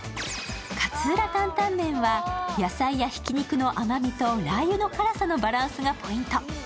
勝浦タンタンメンは野菜やひき肉の甘みとラー油の辛さのバランスがポイント。